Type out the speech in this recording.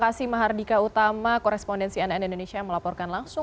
amelia dan sarah